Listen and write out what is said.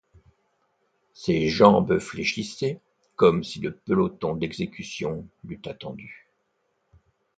Ses jambes fléchissaient, comme si le peloton d’exécution l’eût attendu.